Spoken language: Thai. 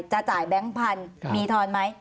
จะจ่ายแบงค์พันธุ์มีทอนไหม